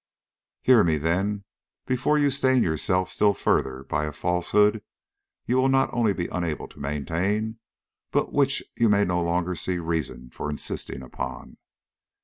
Hear me, then, before you stain yourself still further by a falsehood you will not only be unable to maintain, but which you may no longer see reason for insisting upon.